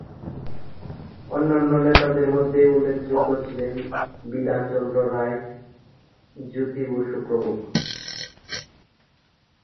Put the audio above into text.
অন্যান্য নেতাদের মধ্যে উল্লেখযোগ্য ছিলেন বিধানচন্দ্র রায়, জ্যোতি বসু প্রমুখ।